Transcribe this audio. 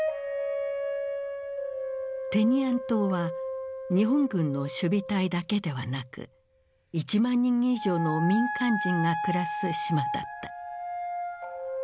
テニアン島は日本軍の守備隊だけではなく１万人以上の民間人が暮らす島だった。